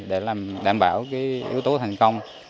để đảm bảo yếu tố thành công